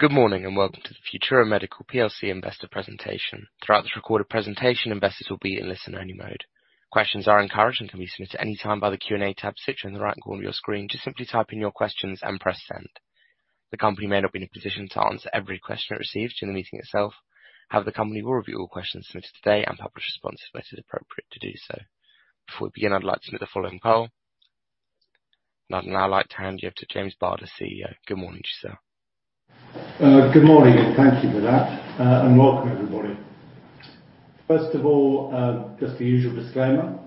Good morning, welcome to the Futura Medical PLC investor presentation. Throughout this recorded presentation, investors will be in listen-only mode. Questions are encouraged and can be submitted anytime by the Q&A tab situated in the right corner of your screen. Just simply type in your questions and press send. The company may not be in a position to answer every question it receives during the meeting itself. However, the company will review all questions submitted today and publish responses when it is appropriate to do so. Before we begin, I'd like to submit the following poll. I'd now like to hand you over to James Barder, the CEO. Good morning to you, sir. Good morning, and thank you for that, and welcome, everybody. First of all, just the usual disclaimer.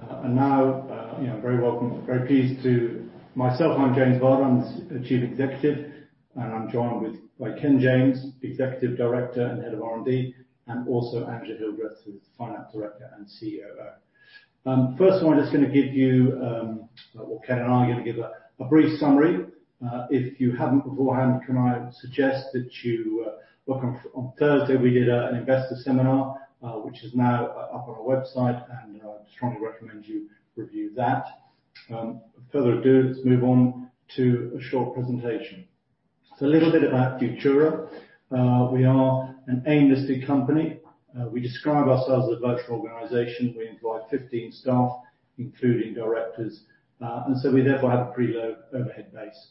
Now, you know, Myself, I'm James Barder. I'm the Chief Executive, and I'm joined by Ken James, Executive Director and Head of R&D, and also Angela Hildreth, who's the Finance Director and COO. First of all, I'm just gonna give you, well, Ken and I are gonna give a brief summary. If you haven't beforehand, can I suggest that you look on Thursday, we did an investor seminar, which is now up on our website, and I strongly recommend you review that. Further ado, let's move on to a short presentation. A little bit about Futura. We are an AIM-listed company. We describe ourselves as a virtual organization. We employ 15 staff, including directors, and so we therefore have a pretty low overhead base.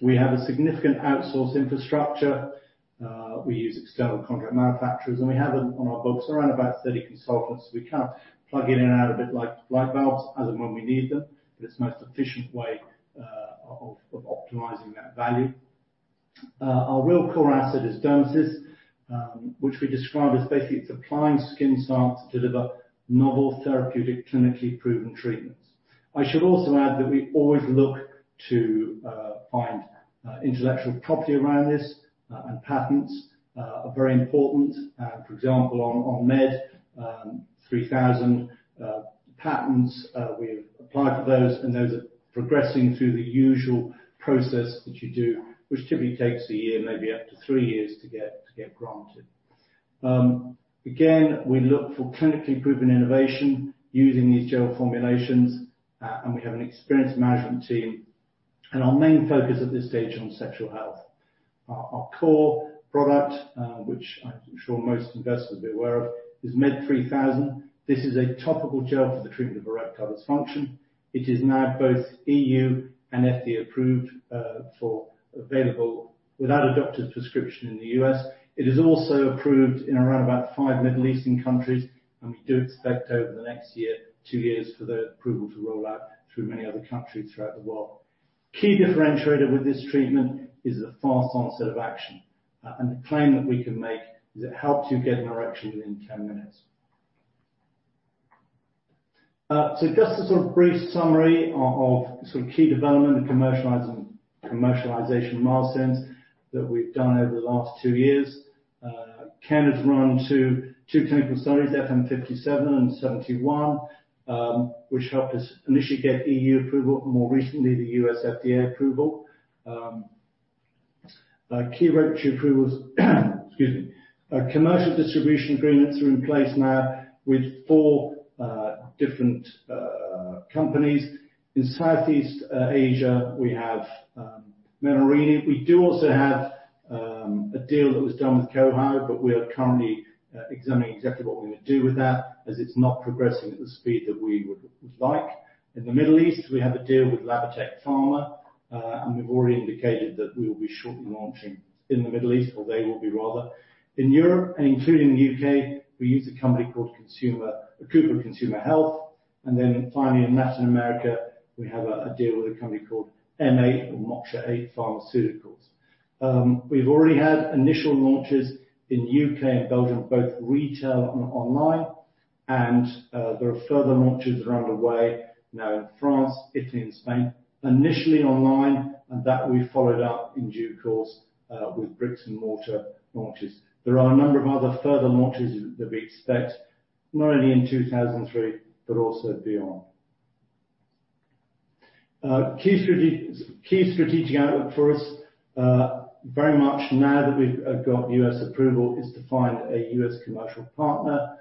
We have a significant outsourced infrastructure. We use external contract manufacturers, and we have them on our books, around about 30 consultants. We can plug in and out a bit like light bulbs as and when we need them, but it's the most efficient way of optimizing that value. Our real core asset is DermaSys, which we describe as basically, it's applying skin science to deliver novel, therapeutic, clinically proven treatments. I should also add that we always look to find intellectual property around this, and patents are very important. For example, on MED3000 patents, we've applied for those, and those are progressing through the usual process that you do, which typically takes 1 year, maybe up to 3 years to get granted. Again, we look for clinically proven innovation using these gel formulations, and we have an experienced management team, and our main focus at this stage on sexual health. Our core product, which I'm sure most investors will be aware of, is MED3000. This is a topical gel for the treatment of erectile dysfunction. It is now both EU- and FDA-approved, available without a doctor's prescription in the U.S. It is also approved in around about 5 Middle Eastern countries. We do expect over the next year, two years, for the approval to roll out through many other countries throughout the world. Key differentiator with this treatment is the fast onset of action, and the claim that we can make is it helps you get an erection within 10 minutes. Just a sort of brief summary of some key development and commercialization milestones that we've done over the last two years. Ken has run two clinical studies, FM57 and FM71, which helped us initially get EU approval, and more recently, the U.S. FDA approval. Key regulatory approvals, excuse me. Commercial distribution agreements are in place now with four different companies. In Southeast Asia, we have Menarini. We do also have a deal that was done with Co-High, but we are currently examining exactly what we would do with that, as it's not progressing at the speed that we would like. In the Middle East, we have a deal with Labatec Pharma, and we've already indicated that we will be shortly launching in the Middle East, or they will be, rather. In Europe, and including the U.K., we use a company called Cooper Consumer Health, and then finally, in Latin America, we have a deal with a company called M8 or moksha8 Pharmaceuticals. We've already had initial launches in U.K. and Belgium, both retail and online, and there are further launches around the way, now in France, Italy and Spain. Initially online, and that we followed up in due course with bricks and mortar launches. There are a number of other further launches that we expect, not only in 2003, but also beyond. Key strategic outlook for us, very much now that we've got U.S. approval, is to find a U.S. commercial partner.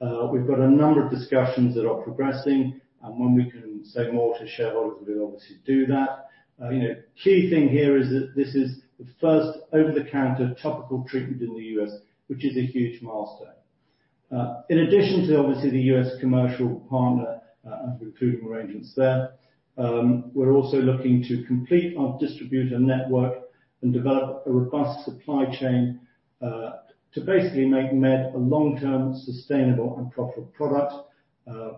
We've got a number of discussions that are progressing, and when we can say more to shareholders, we'll obviously do that. You know, key thing here is that this is the first over-the-counter topical treatment in the U.S., which is a huge milestone. In addition to obviously the U.S. commercial partner, and concluding arrangements there, we're also looking to complete our distributor network and develop a robust supply chain, to basically make Med a long-term, sustainable and profitable product,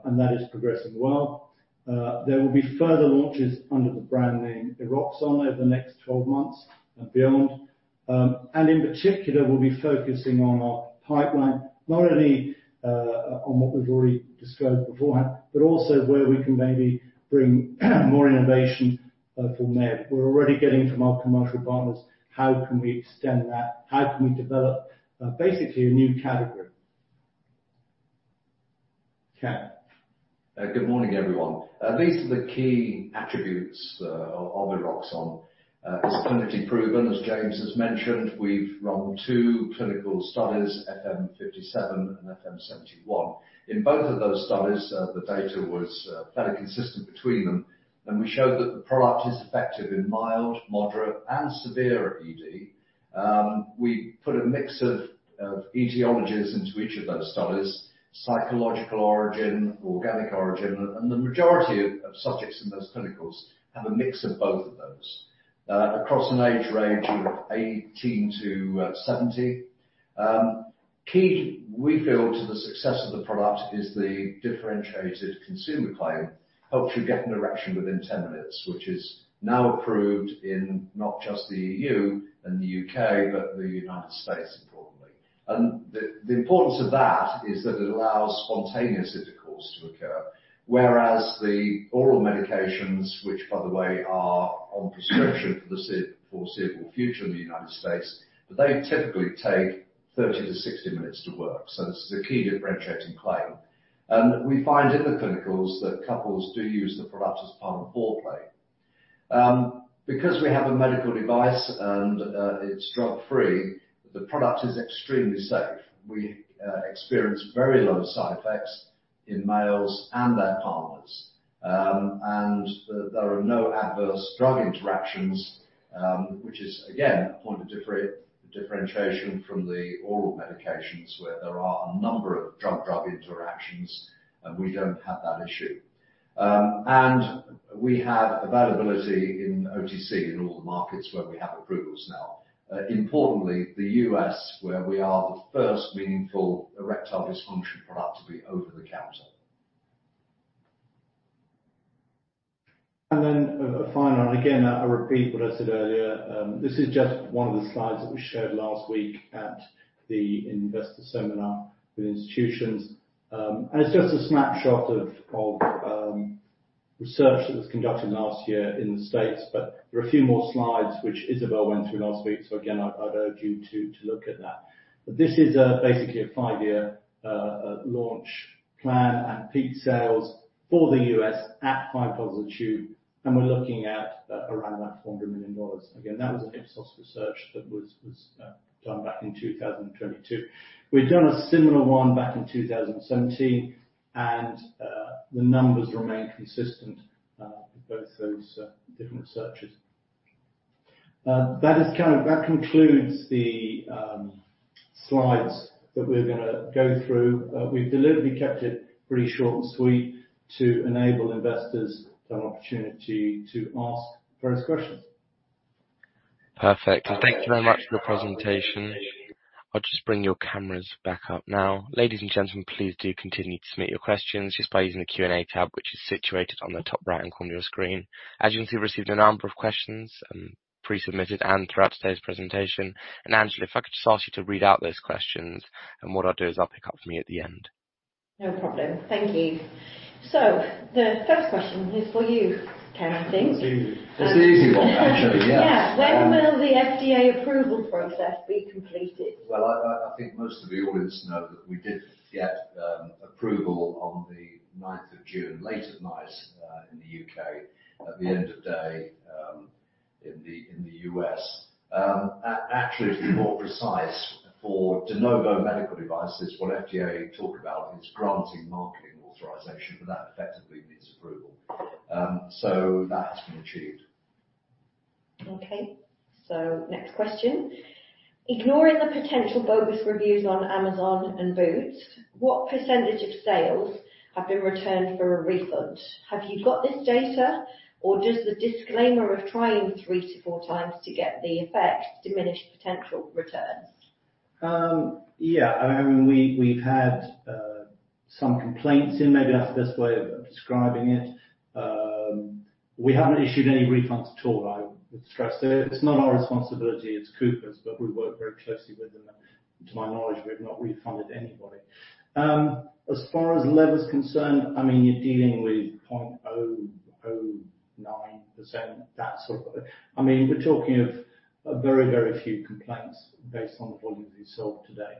and that is progressing well. There will be further launches under the brand name Eroxon over the next 12 months and beyond. In particular, we'll be focusing on our pipeline, not only on what we've already described beforehand, but also where we can maybe bring more innovation from there. We're already getting from our commercial partners, how can we extend that? How can we develop basically a new category? Ken. Good morning, everyone. These are the key attributes of Eroxon. It's clinically proven, as James has mentioned, we've run two clinical studies, FM 57 and FM 71. In both of those studies, the data was fairly consistent between them, and we showed that the product is effective in mild, moderate, and severe ED. We put a mix of etiologies into each of those studies, psychological origin, organic origin, and the majority of subjects in those clinicals have a mix of both of those. Across an age range of 18-70. Key, we feel to the success of the product is the differentiated consumer claim, helps you get an erection within 10 minutes, which is now approved in not just the EU and the U.K., but the United States, importantly. The importance of that is that it allows spontaneous intercourse to occur, whereas the oral medications, which by the way, are on prescription for the foreseeable future in the United States, but they typically take 30-60 minutes to work, so this is a key differentiating claim. We find in the clinicals that couples do use the product as part of foreplay. Because we have a medical device and it's drug-free, the product is extremely safe. We experience very low side effects in males and their partners. There are no adverse drug interactions, which is again, a point of differentiation from the oral medications, where there are a number of drug-drug interactions, and we don't have that issue. We have availability in OTC, in all the markets where we have approvals now. Importantly, the U.S., where we are the first meaningful erectile dysfunction product to be over the counter. Then a final, and again, I repeat what I said earlier, this is just one of the slides that we showed last week at the investor seminar with institutions. It's just a snapshot of research that was conducted last year in the U.S., but there are a few more slides, which Isabelle went through last week. Again, I'd urge you to look at that. This is basically a five-year launch plan and peak sales for the U.S. at $5 a tube, and we're looking at around that $400 million. Again, that was an Ipsos research that was done back in 2022. We've done a similar one back in 2017, the numbers remain consistent in both those different searches. That concludes the slides that we're gonna go through. We've deliberately kept it pretty short and sweet to enable investors an opportunity to ask various questions. Perfect. Thank you very much for the presentation. I'll just bring your cameras back up now. Ladies and gentlemen, please do continue to submit your questions just by using the Q&A tab, which is situated on the top right-hand corner of your screen. As you can see, we've received a number of questions, pre-submitted and throughout today's presentation. Angela, if I could just ask you to read out those questions, and what I'll do is I'll pick up from you at the end. No problem. Thank you. The first question is for you, Ken, I think. Easy. It's the easy one, actually, yes. Yeah. When will the FDA approval process be completed? I think most of the audience know that we did get approval on the ninth of June, late at night, in the U.K., at the end of day, in the U.S. Actually, to be more precise, for De Novo medical devices, what FDA talk about is granting marketing authorization, but that effectively means approval. That has been achieved. Next question: Ignoring the potential bogus reviews on Amazon and Boots, what percentage of sales have been returned for a refund? Have you got this data, or does the disclaimer of trying 3x to 4x to get the effect diminish potential returns? Yeah, I mean, we've had some complaints, and maybe that's the best way of describing it. We haven't issued any refunds at all. I would stress it. It's not our responsibility, it's Cooper's, but we work very closely with them, and to my knowledge, we've not refunded anybody. As far as level is concerned, I mean, you're dealing with 0.009%, that sort of. I mean, we're talking of a very, very few complaints based on the volumes we sold today.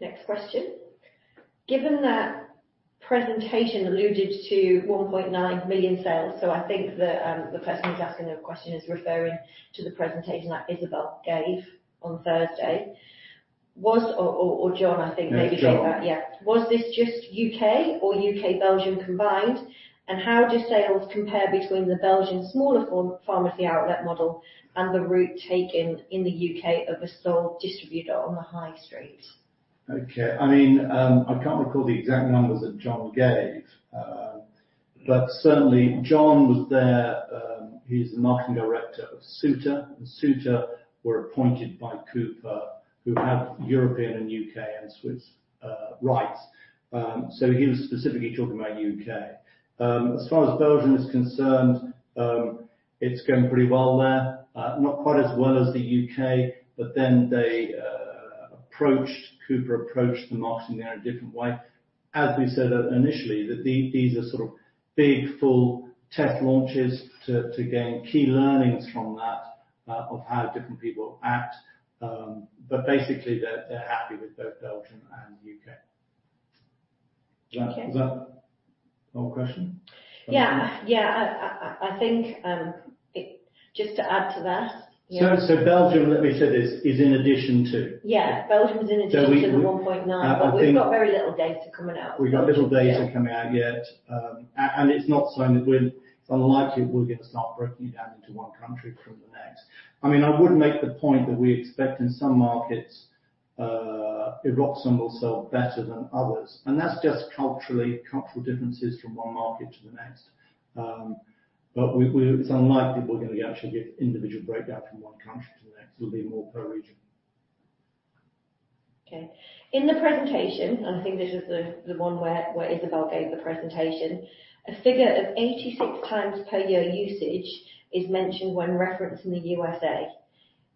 Next question: Given that presentation alluded to 1.9 million sales, I think that the person who's asking the question is referring to the presentation that Isabelle gave on Thursday. Or John, I think maybe said that. Yeah, John. Yeah. Was this just U.K. or U.K., Belgium combined? How do sales compare between the Belgian smaller pharmacy outlet model and the route taken in the U.K. of a sole distributor on the high street? Okay. I mean, I can't recall the exact numbers that John gave. Certainly John was there, he's the marketing director of SUTA, and SUTA were appointed by Cooper, who have European and U.K. and Swiss rights. He was specifically talking about U.K. As far as Belgium is concerned, it's going pretty well there. Not quite as well as the U.K. Cooper approached the marketing there in a different way. As we said, initially, that these are sort of big, full test launches to gain key learnings from that, of how different people act. Basically, they're happy with both Belgium and the U.K. Okay. Is that whole question? Yeah. Yeah, I think, just to add to that, yeah- Belgium, let me say this, is in addition to? Yeah, Belgium is. So we- -to the one point nine. I think- We've got very little data coming out. We got little data coming out yet. It's not something that unlikely we're gonna start breaking it down into one country from the next. I mean, I would make the point that we expect in some markets, Eroxon will sell better than others, and that's just culturally, cultural differences from one market to the next. It's unlikely we're gonna actually get individual breakdown from one country to the next. It'll be more per region. Okay. In the presentation, I think this is the one where Isabelle gave the presentation. "A figure of 86x per year usage is mentioned when referenced in the U.S.A.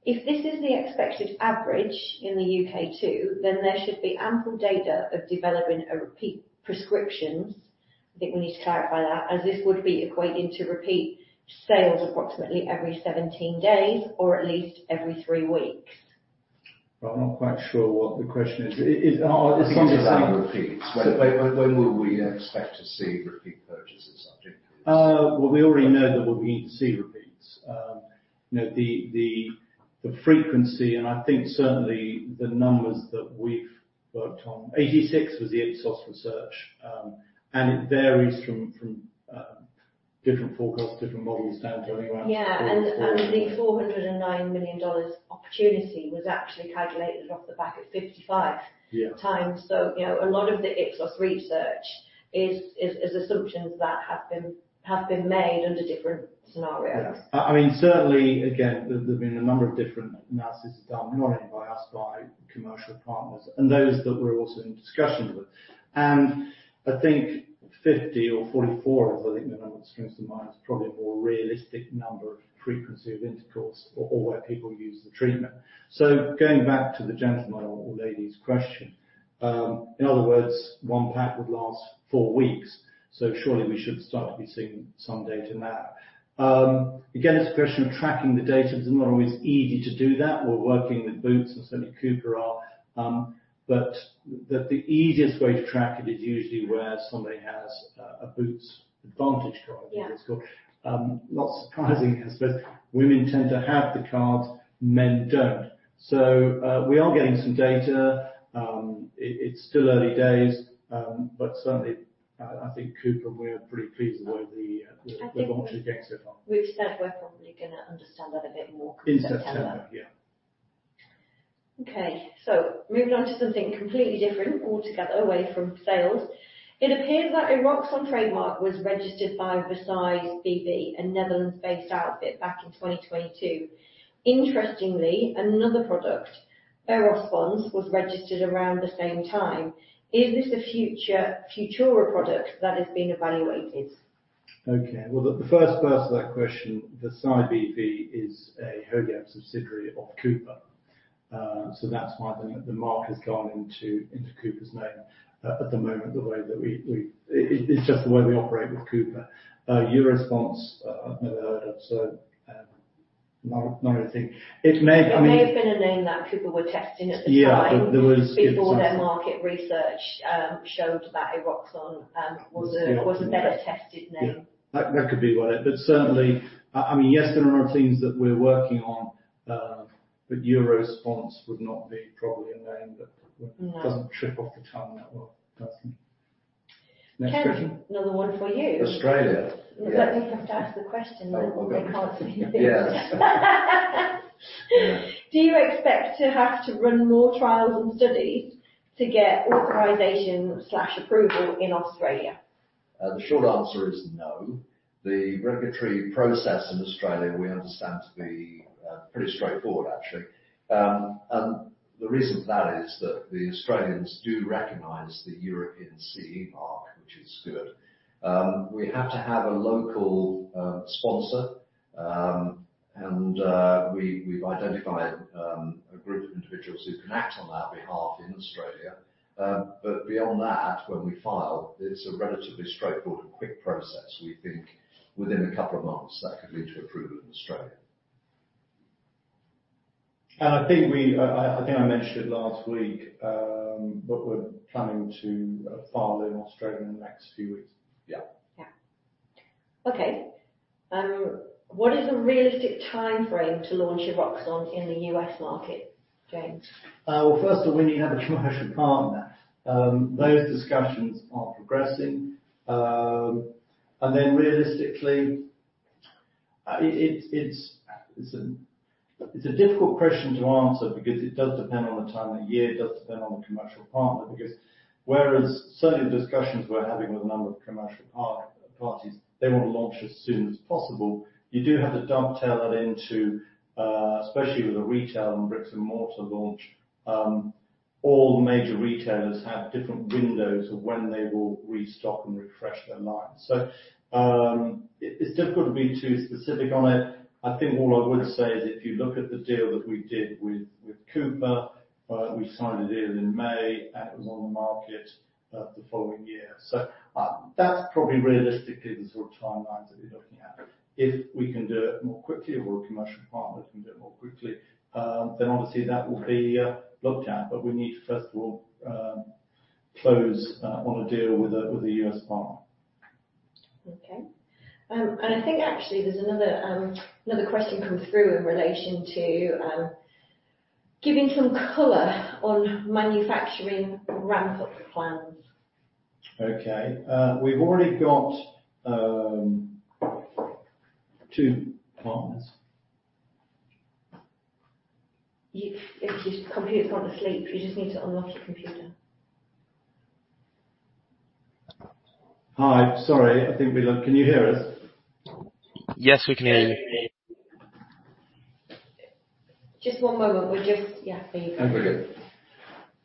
If this is the expected average in the U.K., too, then there should be ample data of developing a repeat prescriptions," I think we need to clarify that, "as this would be equating to repeat sales approximately every 17 days or at least every three weeks. I'm not quite sure what the question is. When will we allow repeats? When will we expect to see repeat purchases, I think it is? Well, we already know that what we need to see repeats. You know, the frequency, and I think certainly the numbers that we've worked on, 86, was the Ipsos research. It varies from, different forecasts, different models down to Yeah. The $409 million opportunity was actually calculated off the back at 55- Yeah times. You know, a lot of the Ipsos research is assumptions that have been made under different scenarios. Yeah. I mean, certainly again, there have been a number of different analysis done, not only by us, by commercial partners and those that we're also in discussions with. I think 50 or 44, I think the number that springs to mind, is probably a more realistic number of frequency of intercourse or where people use the treatment. Going back to the gentleman or lady's question, in other words, one pack would last four weeks, so surely we should start to be seeing some data in that. Again, it's a question of tracking the data. It's not always easy to do that. We're working with Boots and certainly Cooper are, but the easiest way to track it is usually where somebody has a Boots Advantage Card. Yeah As it's called. Not surprising, as that women tend to have the cards, men don't. We are getting some data. It, it's still early days, but certainly, I think Cooper and we are pretty pleased with the way the launch is going so far. We've said we're probably gonna understand that a bit more. In September, yeah. Okay, moving on to something completely different, altogether away from sales. "It appears that Eroxon trademark was registered by Versailles B.V., a Netherlands-based outfit back in 2022. Interestingly, another product, Eroxon, was registered around the same time. Is this a future Futura product that is being evaluated? Well, the first part of that question, Versailles B.V., is a Hogedem subsidiary of Cooper. That's why the mark has gone into Cooper's name. At the moment, the way that it's just the way we operate with Cooper. Euro Response, I've never heard of, so not anything. It may, I mean. It may have been a name that Cooper were testing at the time. Yeah. Before their market research, showed that Eroxon was a better-tested name. Yeah. That could be well it. Certainly, I mean, yes, there are a number of things that we're working on, Euro Response would not be probably a name. No. Doesn't trip off the tongue that well, does it? Next question. Ken, another one for you. Australia. You have to ask the question, then we can't see it. Yes. Do you expect to have to run more trials and studies to get authorization/approval in Australia? The short answer is no. The regulatory process in Australia, we understand, to be pretty straightforward, actually. The reason for that is that the Australians do recognize the European CE mark, which is good. We have to have a local sponsor. We've identified a group of individuals who can act on our behalf in Australia. Beyond that, when we file, it's a relatively straightforward and quick process. We think within two months, that could lead to approval in Australia. I think I mentioned it last week, but we're planning to file in Australia in the next few weeks. Yeah. Yeah. Okay. What is the realistic timeframe to launch Eroxon in the U.S. market, James? Well, first of all, we need to have a commercial partner. Those discussions are progressing. Realistically, it's a difficult question to answer because it does depend on the time of year, it does depend on the commercial partner, because whereas certainly the discussions we're having with a number of commercial parties, they want to launch as soon as possible. You do have to dovetail that into, especially with the retail and bricks and mortar launch. All the major retailers have different windows of when they will restock and refresh their lines. It's difficult to be too specific on it. I think what I would say is, if you look at the deal that we did with Cooper, we signed a deal in May, and it was on the market the following year. That's probably realistically the sort of timeline that we're looking at. If we can do it more quickly, or a commercial partner can do it more quickly, then obviously that will be looked at, but we need to first of all, close on a deal with a, with a U.S. partner. Okay. I think actually there's another question come through in relation to giving some color on manufacturing ramp-up plans. Okay, we've already got, two partners? Your computer's gone to sleep. You just need to unlock your computer. Hi. Sorry. Can you hear us? Yes, we can hear you. Just one moment. Yeah, there you go. We're good.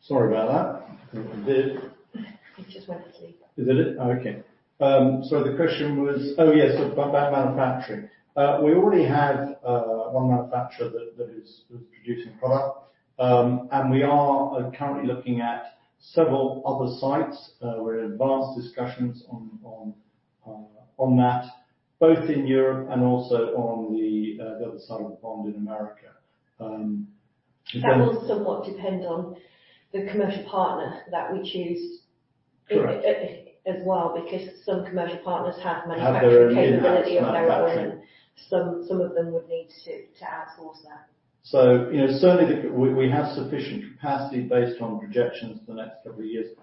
Sorry about that. I did. It just went to sleep. Is it it? Okay. The question was, Oh, yes, about that manufacturing. We already have one manufacturer that is producing product. We are currently looking at several other sites. We're in advanced discussions on that, both in Europe and also on the other side of the pond in America. That will somewhat depend on the commercial partner that we choose. Correct. As well, because some commercial partners have manufacturing- Have their own in-house manufacturing. Capability of their own. Some of them would need to outsource that. You know, certainly, we have sufficient capacity based on projections for the next two years,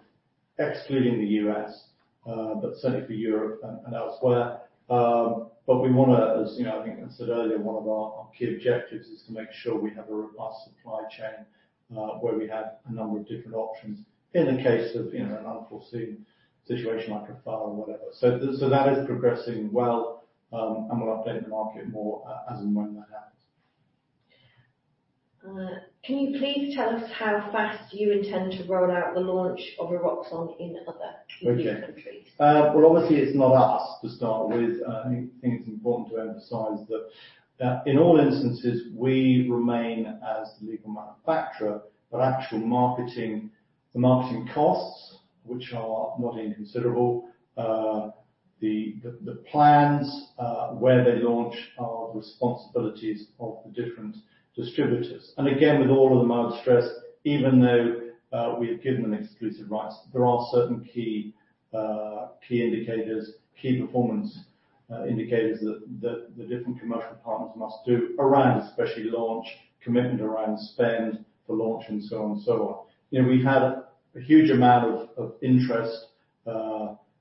excluding the U.S., but certainly for Europe and elsewhere. We wanna, as you know, I think I said earlier, one of our key objectives is to make sure we have a robust supply chain, where we have a number of different options in the case of, you know, an unforeseen situation like a fire or whatever. That is progressing well, and we'll update the market more, as and when that happens. Can you please tell us how fast you intend to roll out the launch of Eroxon in other – Okay. Countries? Well, obviously, it's not us to start with. I think it's important to emphasize that in all instances, we remain as the legal manufacturer, but actual marketing, the marketing costs, which are not inconsiderable, the plans, where they launch are the responsibilities of the different distributors. Again, with all of them, I would stress, even though we have given them exclusive rights, there are certain key indicators, key performance indicators that the different commercial partners must do around, especially launch, commitment around spend for launch and so on and so on. You know, we've had a huge amount of interest,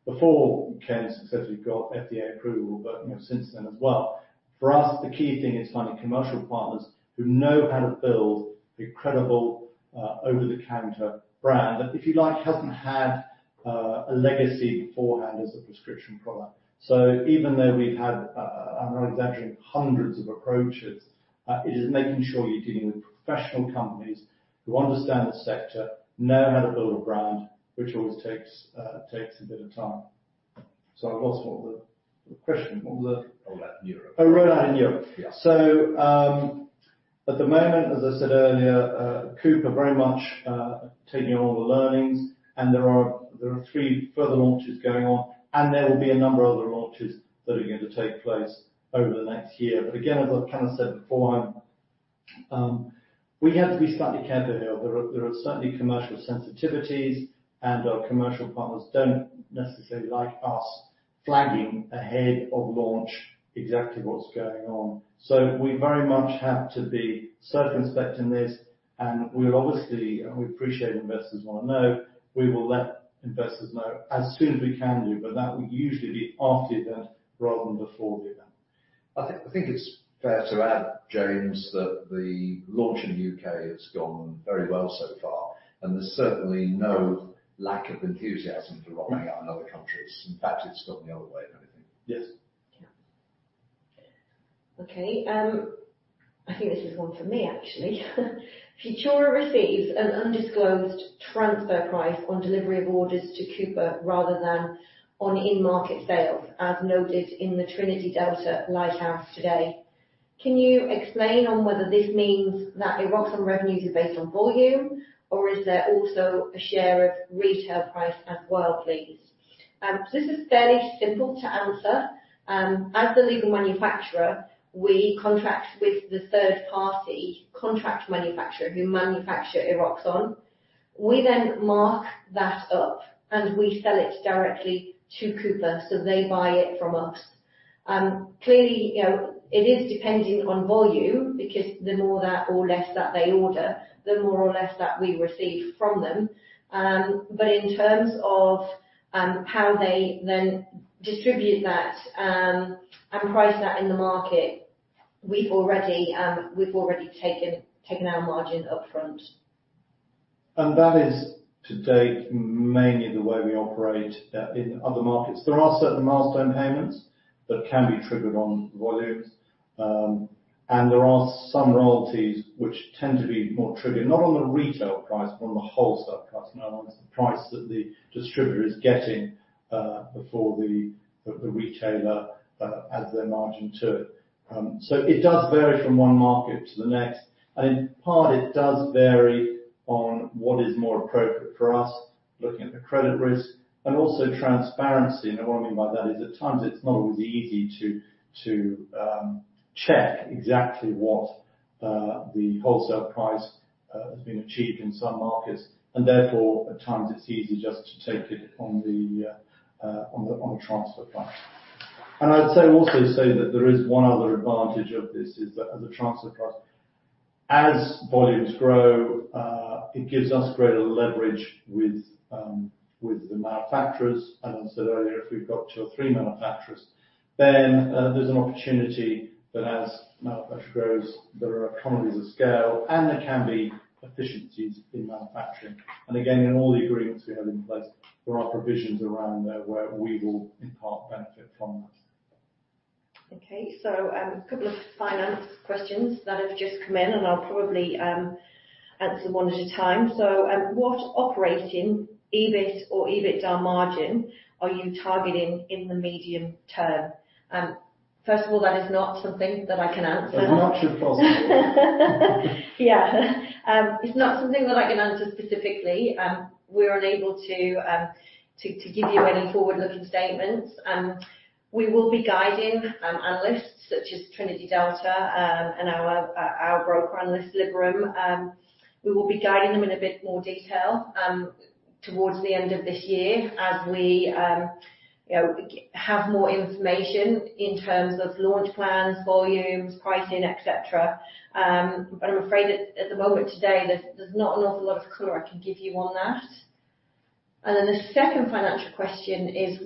before we can successfully got FDA approval, but, you know, since then as well. For us, the key thing is finding commercial partners who know how to build a credible, over-the-counter brand, that, if you like, hasn't had, a legacy beforehand as a prescription product. Even though we've had, I'm not exaggerating, hundreds of approaches, it is making sure you're dealing with professional companies who understand the sector, know how to build a brand, which always takes a bit of time. I lost what were the question. Roll out in Europe. Oh, roll out in Europe. Yeah. At the moment, as I said earlier, Cooper are very much taking on all the learnings, and there are three further launches going on, and there will be a number of other launches that are going to take place over the next year. Again, as I've kind of said before, we have to be slightly careful here. There are certainly commercial sensitivities, and our commercial partners don't necessarily like us flagging ahead of launch exactly what's going on. We very much have to be circumspect in this, and we'll obviously, and we appreciate investors wanna know. We will let investors know as soon as we can do, but that will usually be after the event rather than before the event. I think it's fair to add, James, that the launch in the U.K. has gone very well so far, and there's certainly no lack of enthusiasm rolling out in other countries. In fact, it's gone the other way, if anything. Yes. Yeah. Okay, I think this is one for me, actually. Futura receives an undisclosed transfer price on delivery of orders to Cooper rather than on in-market sales, as noted in the Trinity Delta Lighthouse today. Can you explain on whether this means that Eroxon revenues are based on volume, or is there also a share of retail price as well, please? This is fairly simple to answer. As the legal manufacturer, we contract with the third-party contract manufacturer who manufacture Eroxon. We then mark that up, and we sell it directly to Cooper, so they buy it from us. Clearly, you know, it is dependent on volume because the more that or less that they order, the more or less that we receive from them. In terms of, how they then distribute that, and price that in the market, we've already taken our margin upfront. That is, to date, mainly the way we operate, in other markets. There are certain milestone payments that can be triggered on volumes, and there are some royalties which tend to be more triggered, not on the retail price, but on the wholesale price, in other words, the price that the distributor is getting, before the retailer adds their margin to it. It does vary from one market to the next, and in part, it does vary on what is more appropriate for us, looking at the credit risk and also transparency. What I mean by that is, at times, it's not always easy to check exactly what the wholesale price has been achieved in some markets, and therefore, at times, it's easy just to take it on the transfer price. I'd say, also say that there is one other advantage of this, is that as a transfer price as volumes grow, it gives us greater leverage with the manufacturers. As I said earlier, if we've got two or three manufacturers, then there's an opportunity that as manufacturer grows, there are economies of scale, and there can be efficiencies in manufacturing. Again, in all the agreements we have in place, there are provisions around there where we will in part benefit from that. A couple of finance questions that have just come in, and I'll probably answer one at a time. What operating EBIT or EBITDA margin are you targeting in the medium term? First of all, that is not something that I can answer. They're not your problem. Yeah. It's not something that I can answer specifically. We're unable to give you any forward-looking statements. We will be guiding analysts such as Trinity Delta, and our broker analyst, Liberum. We will be guiding them in a bit more detail, towards the end of this year as we, you know, have more information in terms of launch plans, volumes, pricing, et cetera. But I'm afraid at the moment today, there's not an awful lot of color I can give you on that. The second financial question is: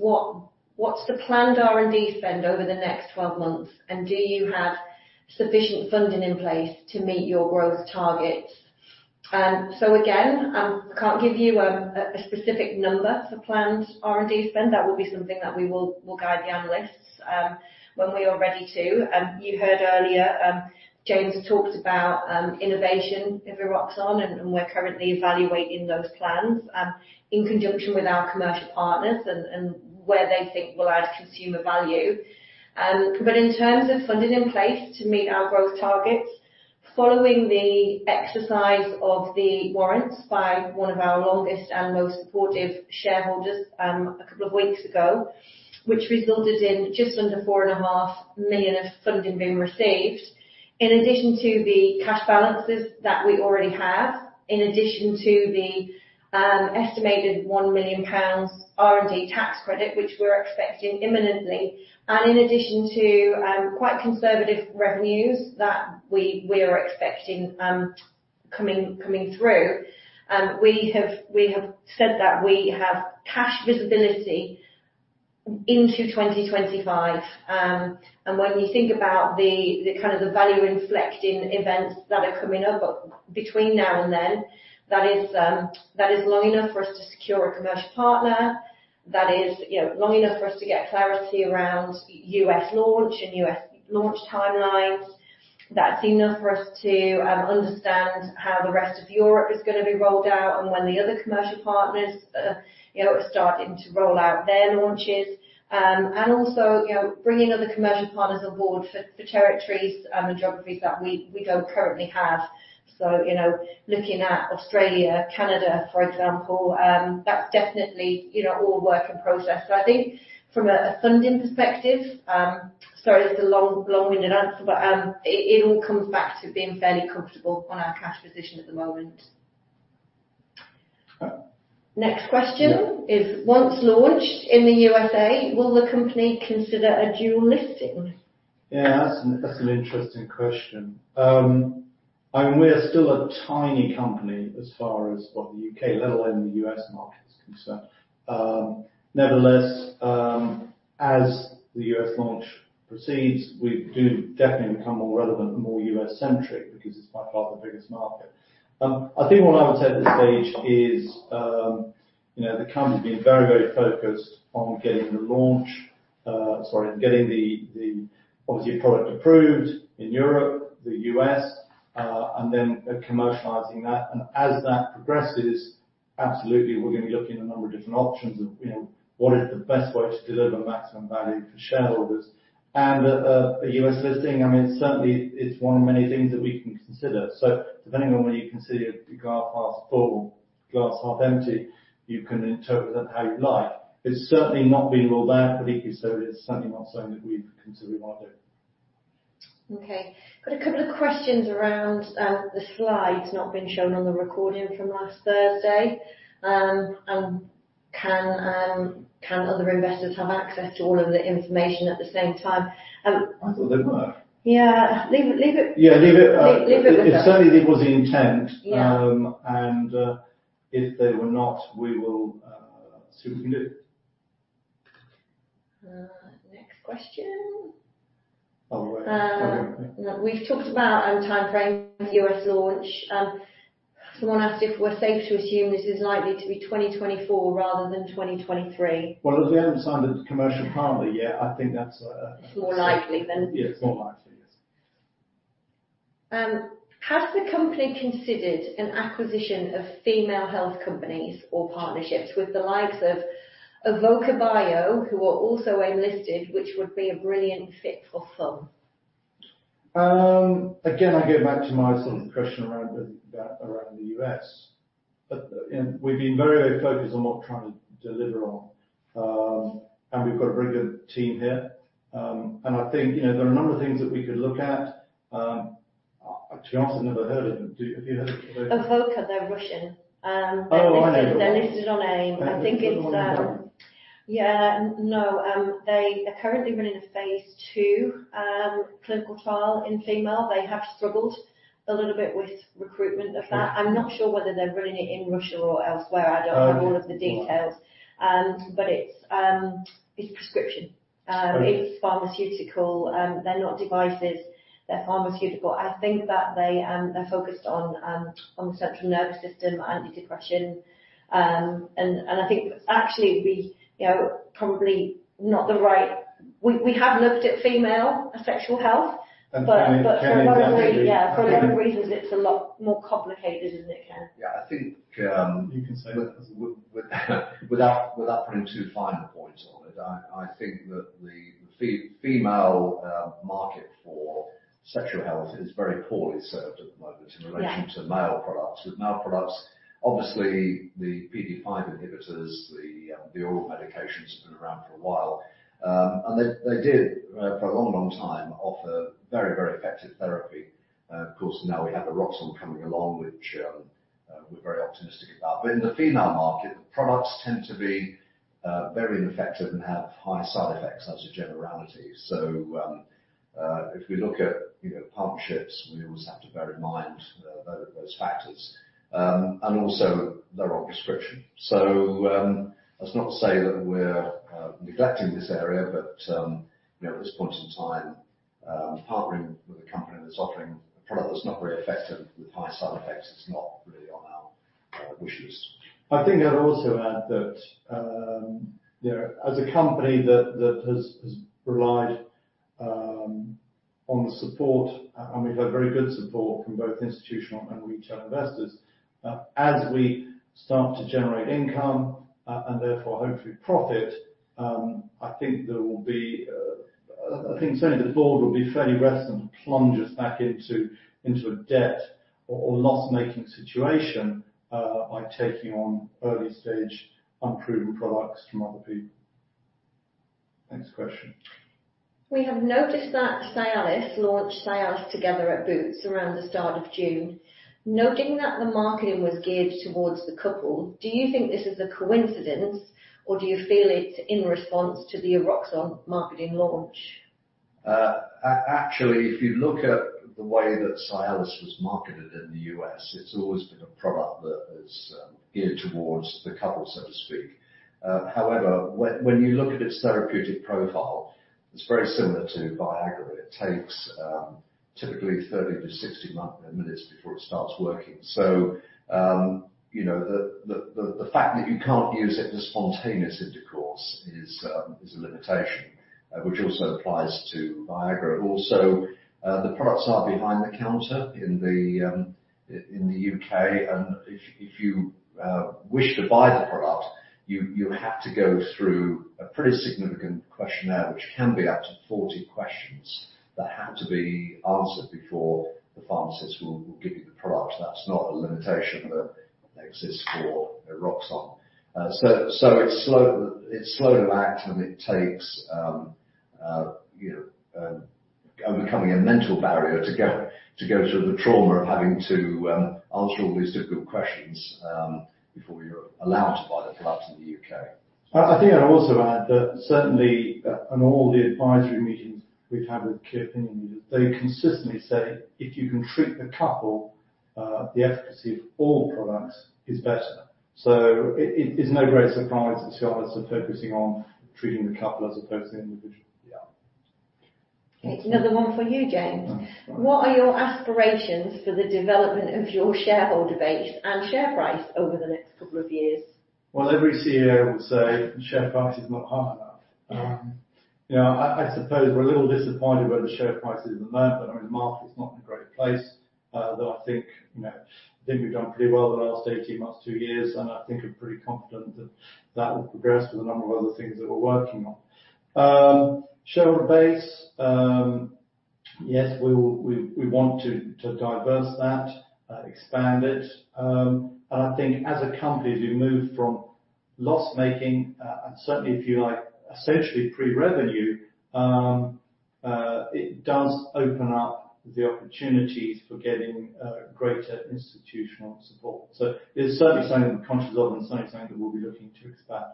What's the planned R&D spend over the next 12 months, and do you have sufficient funding in place to meet your growth targets? Again, I can't give you a specific number for planned R&D spend. That will be something that we will, we'll guide the analysts when we are ready to. You heard earlier, James talked about innovation in Eroxon, and we're currently evaluating those plans in conjunction with our commercial partners and where they think will add consumer value. But in terms of funding in place to meet our growth targets, following the exercise of the warrants by one of our longest and most supportive shareholders, a couple of weeks ago, which resulted in just under 4.5 million of funding being received. In addition to the cash balances that we already have, in addition to the estimated 1 million pounds R&D tax credit, which we're expecting imminently, and in addition to quite conservative revenues that we are expecting coming through, we have said that we have cash visibility into 2025. When you think about the kind of the value-inflecting events that are coming up between now and then, that is long enough for us to secure a commercial partner. That is, you know, long enough for us to get clarity around U.S. launch and U.S. launch timelines. That's enough for us to understand how the rest of Europe is gonna be rolled out and when the other commercial partners, you know, are starting to roll out their launches. Also, you know, bringing other commercial partners on board for territories and geographies that we don't currently have. You know, looking at Australia, Canada, for example, that's definitely, you know, all work in process. I think from a funding perspective, sorry, it's a long, long-winded answer, it all comes back to being fairly comfortable on our cash position at the moment. Next question. Once launched in the U.S.A, will the company consider a dual listing? Yeah, that's an interesting question. We're still a tiny company as far as what the U.K., let alone the U.S. market is concerned. Nevertheless, as the U.S. launch proceeds, we do definitely become more relevant and more U.S.-centric because it's by far the biggest market. I think what I would say at this stage is, you know, the company being very, very focused on getting the launch, sorry, getting the obviously product approved in Europe, the U.S., and then commercializing that. As that progresses, absolutely, we're gonna be looking at a number of different options of, you know, what is the best way to deliver maximum value for shareholders. A U.S. listing, I mean, certainly it's one of many things that we can consider. Depending on whether you consider the glass half full, glass half empty, you can interpret that how you like. It's certainly not been ruled out, but it's certainly not something that we've considered or are doing. Okay. Got a couple of questions around the slides not being shown on the recording from last Thursday. Can other investors have access to all of the information at the same time? I thought they were. Yeah. Leave it. Yeah, leave it. Leave it with us. It certainly was the intent. Yeah. If they were not, we will see what we can do. Next question. All right. We've talked about timeframes, U.S. launch. Someone asked if we're safe to assume this is likely to be 2024 rather than 2023. As we haven't signed a commercial partner yet, I think that's. It's more likely. Yes, more likely, yes. Has the company considered an acquisition of female health companies or partnerships with the likes of Evoca Bio, who are also AIM-listed, which would be a brilliant fit for some? Again, I go back to my sort of question around the, around the U.S. We've been very focused on what we're trying to deliver on. We've got a very good team here. I think, you know, there are a number of things that we could look at. Actually, I've never heard of them. Have you heard of Evoca? Evoca, they're Russian. Oh, I know them. I think they're listed on AIM. Thank you. Yeah, no. They are currently running a Phase 2 clinical trial in female. They have struggled a little bit with recruitment of that. Okay. I'm not sure whether they're running it in Russia or elsewhere. Oh. I don't have all of the details. It's prescription. Okay. It's pharmaceutical. They're not devices, they're pharmaceutical. I think that they're focused on the central nervous system, anti-depression. I think actually we, you know, probably not the right. We have looked at female sexual health, but- Can. Yeah. For a lot of reasons, it's a lot more complicated, isn't it, Ken? Yeah. I think. You can say that. Without putting too fine a point on it, I think that the female market for sexual health is very poorly served at the moment. Yeah In relation to male products. With male products, obviously, the PDE5 inhibitors, the oral medications have been around for a while. They did for a long time offer very effective therapy. Of course, now we have the Eroxon coming along, which we're very optimistic about. In the female market, the products tend to be very ineffective and have high side effects as a generality. If we look at, you know, partnerships, we always have to bear in mind those factors. Also they're on prescription. That's not to say that we're neglecting this area, but you know, at this point in time, partnering with a company that's offering a product that's not very effective with high side effects is not really on our wish list. I think I'd also add that, you know, as a company that has relied, on the support, and we've had very good support from both institutional and retail investors. As we start to generate income, and therefore hopefully profit, I think certainly the board will be fairly reticent to plunge us back into a debt or loss-making situation, by taking on early-stage, unproven products from other people. Next question. We have noticed that Cialis launched Cialis Together at Boots around the start of June. Noting that the marketing was geared towards the couple, do you think this is a coincidence, or do you feel it's in response to the Eroxon marketing launch? Actually, if you look at the way that Cialis was marketed in the U.S., it's always been a product that is geared towards the couple, so to speak. When you look at its therapeutic profile, it's very similar to Viagra. It takes typically 30-60 minutes before it starts working. You know, the fact that you can't use it for spontaneous intercourse is a limitation, which also applies to Viagra. The products are behind the counter in the U.K., and if you wish to buy the product, you have to go through a pretty significant questionnaire, which can be up to 40 questions that have to be answered before the pharmacist will give you the product. That's not a limitation that exists for Eroxon. It's slow to act. It takes, you know, becoming a mental barrier to go through the trauma of having to answer all these difficult questions before you're allowed to buy the product in the U.K. I think I'd also add that certainly, on all the advisory meetings we've had with key opinion leaders, they consistently say, "If you can treat the couple, the efficacy of all products is better." It's no great surprise that Cialis are focusing on treating the couple as opposed to the individual. Yeah. Okay. Another one for you, James. All right. What are your aspirations for the development of your shareholder base and share price over the next couple of years? Well, every CEO will say, "Share price is not high enough. Yeah. You know, I suppose we're a little disappointed where the share price is at the moment, but our market is not in a great place. I think, you know, I think we've done pretty well in the last 18 months, two years, and I think I'm pretty confident that that will progress with a number of other things that we're working on. Shareholder base, yes, we want to diverse that, expand it. I think as a company, we move from loss-making, and certainly, if you like, essentially pre-revenue, it does open up the opportunities for getting greater institutional support. It's certainly something we're conscious of and certainly something that we'll be looking to expand.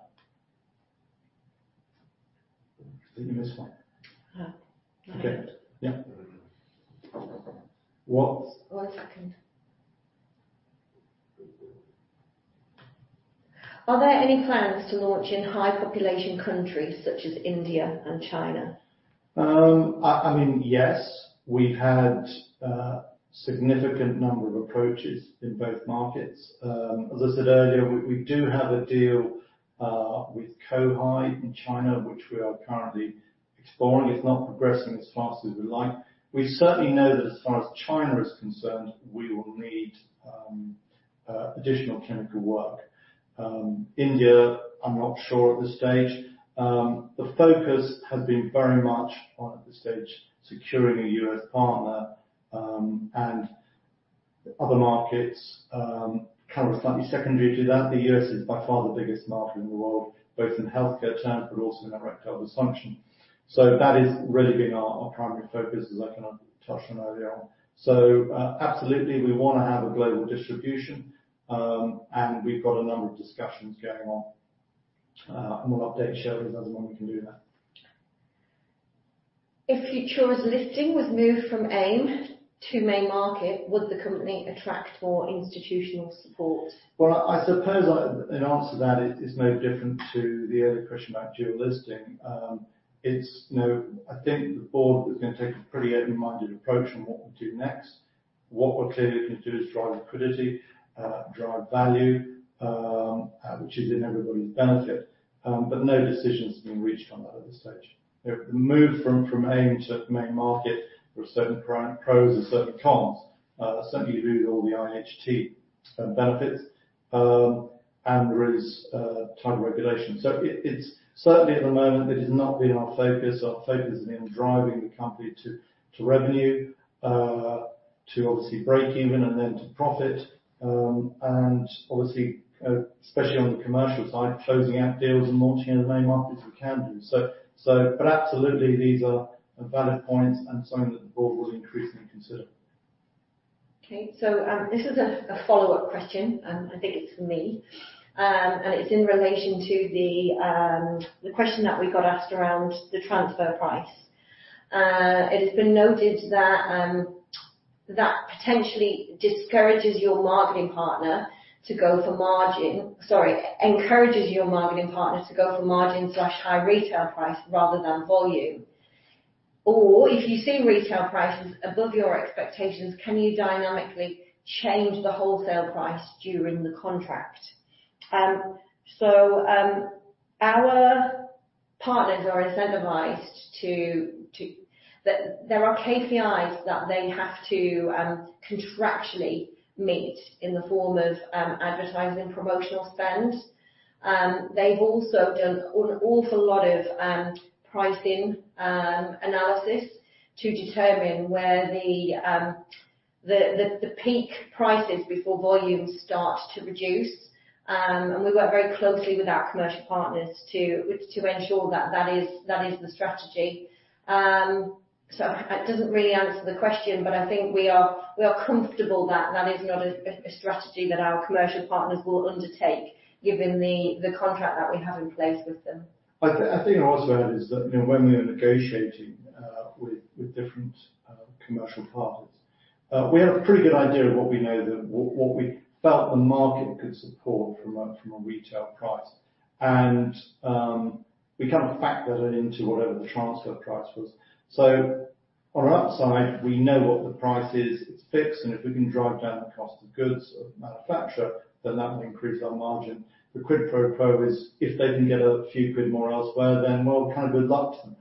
Did you miss one? No. Okay. Yeah. One second. Are there any plans to launch in high population countries such as India and China? I mean, yes. We've had a significant number of approaches in both markets. As I said earlier, we do have a deal with Co-High in China, which we are currently exploring. It's not progressing as fast as we'd like. We certainly know that as far as China is concerned, we will need additional clinical work. India, I'm not sure at this stage. The focus has been very much on, at this stage, securing a U.S. partner, and other markets, kind of slightly secondary to that. The U.S. is by far the biggest market in the world, both in healthcare terms, but also in erectile dysfunction. That has really been our primary focus, as I kind of touched on earlier on. Absolutely, we wanna have a global distribution and we've got a number of discussions going on. We'll update shareholders as and when we can do that. If Futura's listing was moved from AIM to Main Market, would the company attract more institutional support? Well, I suppose an answer to that is no different to the other question about dual listing. It's, you know, I think the board is gonna take a pretty open-minded approach on what we'll do next. What we're clearly going to do is drive liquidity, drive value, which is in everybody's benefit. No decision has been reached on that at this stage. The move from AIM to the Main Market, there are certain pros and certain cons. Certainly you lose all the IHT benefits, and there is tighter regulation. It's certainly at the moment, it has not been our focus. Our focus has been on driving the company to revenue, to obviously break even and then to profit. Obviously, especially on the commercial side, closing out deals and launching in the main markets we can do. Absolutely, these are valid points and something that the board will increasingly consider. Okay. This is a follow-up question, and I think it's for me. It's in relation to the question that we got asked around the transfer price. It has been noted that potentially discourages your marketing partner to go for margin. Sorry, encourages your marketing partner to go for margin/high retail price rather than volume. If you see retail prices above your expectations, can you dynamically change the wholesale price during the contract? Our partners are incentivized to. There are KPIs that they have to contractually meet in the form of advertising and promotional spend. They've also done an awful lot of pricing analysis to determine where the peak prices before volumes start to reduce. We work very closely with our commercial partners to ensure that is the strategy. That doesn't really answer the question, but I think we are comfortable that is not a strategy that our commercial partners will undertake, given the contract that we have in place with them. I think also add is that, you know, when we are negotiating with different commercial partners, we have a pretty good idea of what we know that, what we felt the market could support from a retail price. We kind of factor that into whatever the transfer price was. On our upside, we know what the price is, it's fixed, and if we can drive down the cost of goods of manufacturer, then that will increase our margin. The quid pro pro is if they can get a few quid more elsewhere, then well, kind of good luck to them.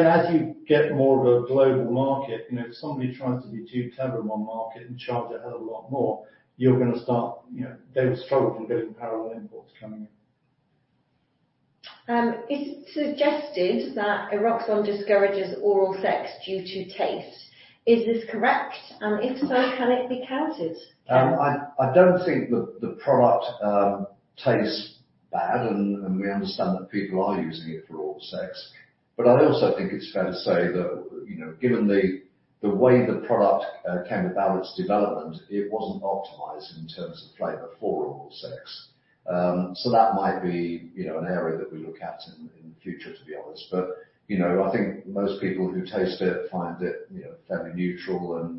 As you get more of a global market, you know, if somebody tries to be too clever in one market and charge a hell of a lot more, you're gonna start, you know, they will struggle from getting parallel imports coming in. It's suggested that Eroxon discourages oral sex due to taste. Is this correct? If so, can it be counted? I don't think the product tastes bad, we understand that people are using it for oral sex. I also think it's fair to say that, you know, given the way the product came about its development, it wasn't optimized in terms of flavor for oral sex. That might be, you know, an area that we look at in the future, to be honest. You know, I think most people who taste it find it, you know, fairly neutral,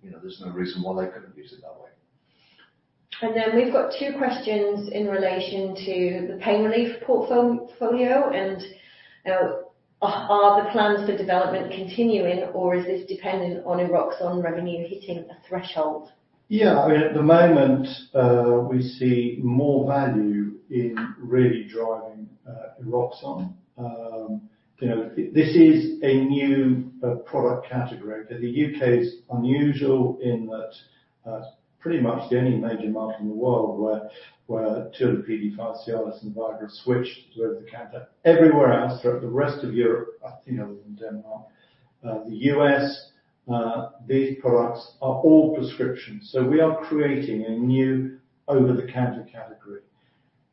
you know, there's no reason why they couldn't use it that way. We've got two questions in relation to the pain relief portfolio, and, are the plans for development continuing, or is this dependent on Eroxon revenue hitting a threshold? Yeah. I mean, at the moment, we see more value in really driving Eroxon. You know, this is a new product category. The U.K. is unusual in that pretty much the only major market in the world where two of the PDE5, Cialis and Viagra, switched over the counter. Everywhere else, throughout the rest of Europe, you know, other than Denmark, the U.S., these products are all prescriptions. We are creating a new over-the-counter category.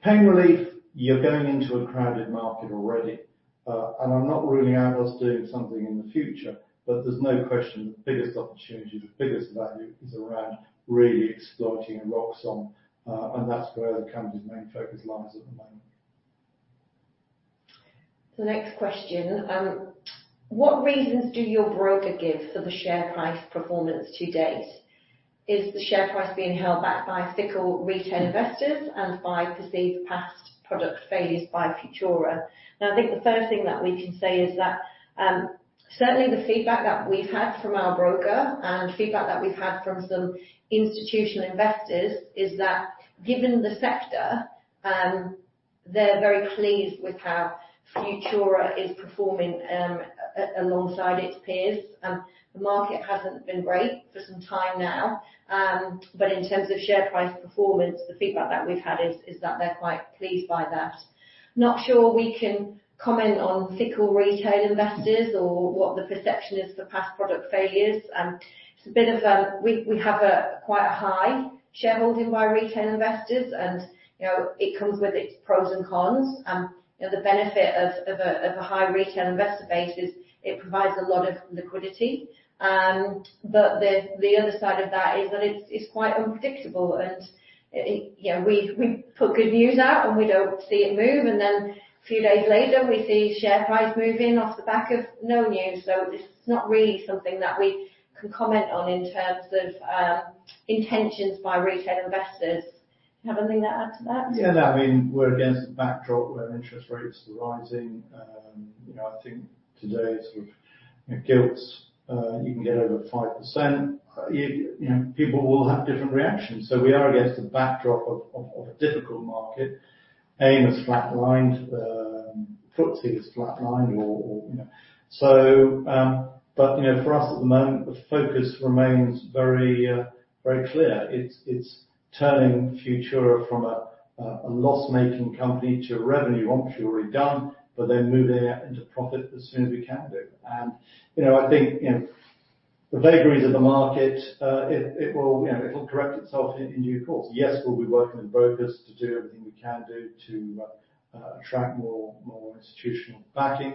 Pain relief, you're going into a crowded market already, and I'm not ruling out us doing something in the future, but there's no question the biggest opportunity, the biggest value, is around really exploiting Eroxon, and that's where the company's main focus lies at the moment. The next question. What reasons do your broker give for the share price performance to date? Is the share price being held back by fickle retail investors and by perceived past product failures by Futura? I think the first thing that we can say is that, certainly the feedback that we've had from our broker and feedback that we've had from some institutional investors, is that given the sector, they're very pleased with how Futura is performing alongside its peers. The market hasn't been great for some time now, but in terms of share price performance, the feedback that we've had is that they're quite pleased by that. Not sure we can comment on fickle retail investors or what the perception is for past product failures. It's a bit of a, we have a quite a high shareholding by retail investors, and you know, it comes with its pros and cons. You know, the benefit of a high retail investor base is it provides a lot of liquidity. The other side of that is that it's quite unpredictable, and you know, we put good news out, and we don't see it move, and then a few days later, we see share price moving off the back of no news. It's not really something that we can comment on in terms of intentions by retail investors. Do you have anything to add to that? Yeah, I mean, we're against the backdrop where interest rates are rising. You know, I think today, sort of, you know, gilts, you can get over 5%. You know, people will have different reactions. We are against a backdrop of a difficult market. AIM is flatlined, FTSE is flatlined, or, you know. You know, for us at the moment, the focus remains very clear. It's turning Futura from a loss-making company to a revenue, which we've already done, but then moving it into profit as soon as we can do. You know, I think, you know, the vagaries of the market, it will, you know, it'll correct itself in due course. Yes, we'll be working with brokers to do everything we can do to attract more institutional backing.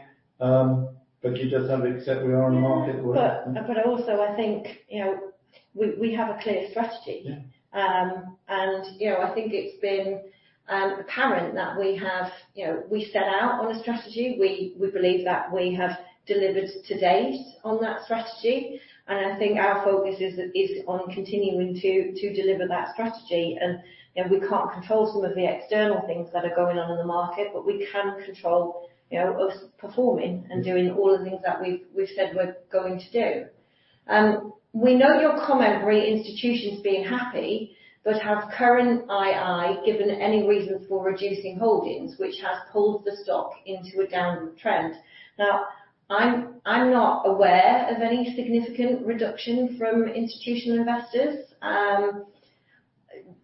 You just have to accept we are in a market. Also I think, you know, we have a clear strategy. Yeah. You know, I think it's been apparent that, you know, we set out on a strategy. We believe that we have delivered to date on that strategy, and I think our focus is on continuing to deliver that strategy. You know, we can't control some of the external things that are going on in the market, but we can control, you know, us performing. And doing all the things that we've said we're going to do. We know your comment re institutions being happy, have current II given any reason for reducing holdings, which has pulled the stock into a downward trend? I'm not aware of any significant reduction from institutional investors,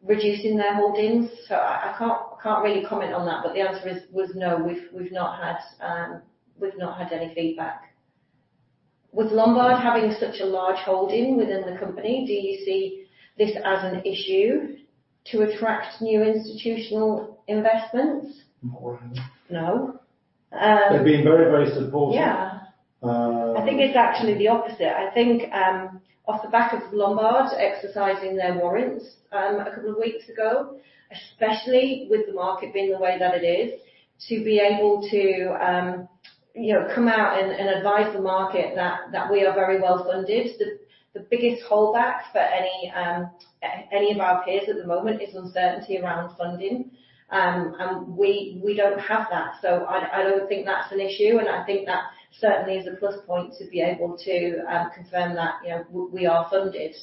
reducing their holdings, so I can't, I can't really comment on that. The answer is, was no, we've not had, we've not had any feedback. With Lombard having such a large holding within the company, do you see this as an issue to attract new institutional investments? Not we're having. No. They've been very, very supportive. Yeah. I think it's actually the opposite. I think, off the back of Lombard exercising their warrants, a couple of weeks ago, especially with the market being the way that it is, to be able to, you know, come out and advise the market that we are very well funded. The biggest holdback for any of our peers at the moment is uncertainty around funding. We don't have that, so I don't think that's an issue, and I think that certainly is a plus point to be able to confirm that, you know, we are funded.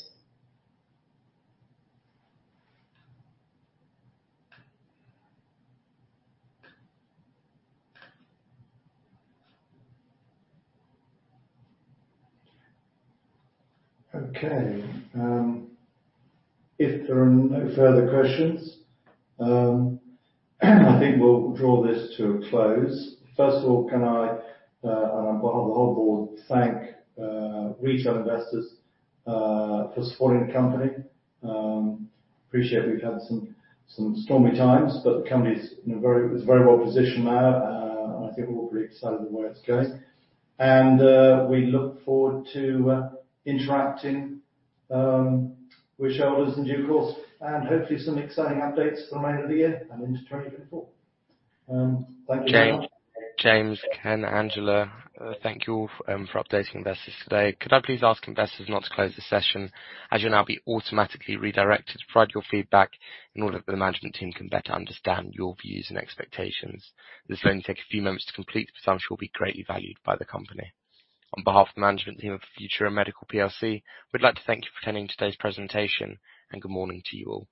Okay. If there are no further questions, I think we'll draw this to a close. First of all, can I on behalf of the whole board, thank retail investors for supporting the company. Appreciate we've had some stormy times, but the company's very well positioned now, and I think we're all pretty excited the way it's going. We look forward to interacting with shareholders in due course, and hopefully some exciting updates for the remainder of the year and into 2024. Thank you very much. James, Ken, Angela, thank you all for updating investors today. Could I please ask investors not to close the session, as you'll now be automatically redirected to provide your feedback in order that the management team can better understand your views and expectations. This will only take a few moments to complete, but shall be greatly valued by the company. On behalf of the management team of Futura Medical PLC, we'd like to thank you for attending today's presentation, good morning to you all.